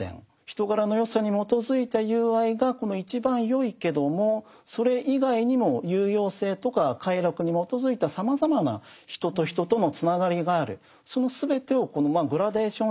人柄の善さに基づいた友愛が一番よいけどもそれ以外にも有用性とか快楽に基づいたさまざまな人と人とのつながりがある。